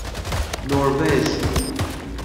نروژ